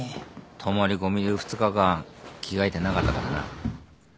泊まり込みで２日間着替えてなかったからな。